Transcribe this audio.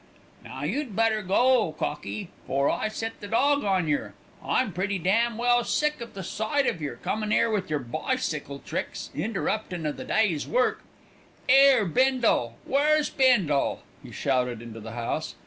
"Now you'd better go, cockie, 'fore I set the dog on yer. I'm pretty damn well sick of the 'sight of yer, comin' 'ere with yer bicycle tricks, interruptin' o' the day's work. 'Ere, Bindle where's Bindle?" he shouted into the house.